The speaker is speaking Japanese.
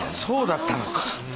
そうだったのか。